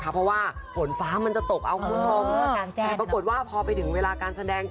เพราะว่าฝนฟ้ามันจะตกเอาคุณผู้ชมแต่ปรากฏว่าพอไปถึงเวลาการแสดง